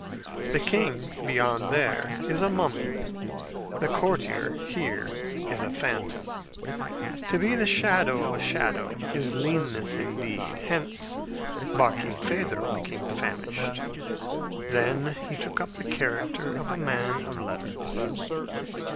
The king, beyond there, is a mummy; the courtier, here, is a phantom. To be the shadow of a shadow is leanness indeed. Hence Barkilphedro became famished. Then he took up the character of a man of letters.